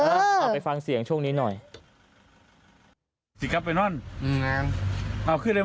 เออเอาไปฟังเสียงช่วงนี้หน่อย